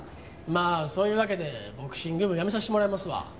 まあそういうわけでボクシング部やめさせてもらいますわ。